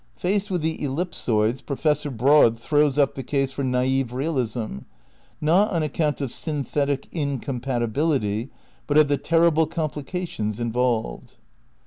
Paced with the ellipsoids Professor Broad throws up the case for naif realism, not on account of '' synthetic incompatibility" but of "the terrible complications in volved."